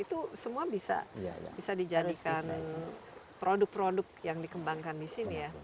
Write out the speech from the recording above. itu semua bisa dijadikan produk produk yang dikembangkan di sini ya